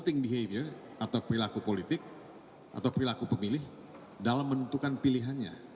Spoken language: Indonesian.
thing behavior atau perilaku politik atau perilaku pemilih dalam menentukan pilihannya